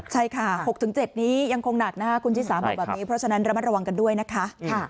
ใช่ค่ะ๖๗นี้ยังคงหนักนะครับคุณที่สามารถแบบนี้เพราะฉะนั้นระวังกันด้วยนะคะ